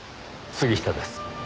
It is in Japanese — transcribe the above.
杉下です。